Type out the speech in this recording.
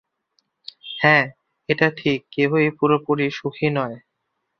হ্যাঁ, এটা ঠিক কেউই পুরোপুরি সুখী নয়।